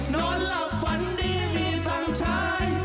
นอนแล้วฝันดีมีตังชาย